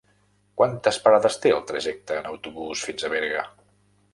Quantes parades té el trajecte en autobús fins a Berga?